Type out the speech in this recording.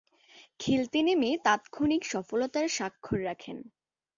খেলতে নেমে তাৎক্ষণিক সফলতার স্বাক্ষর রাখেন।